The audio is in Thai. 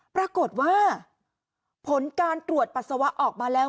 ปรากฏว่าผลการตรวจปัสสาวะออกมาแล้ว